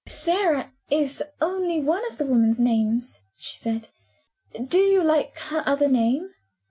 "Sara is only one of the woman's names," she said. "Do you like her other name?"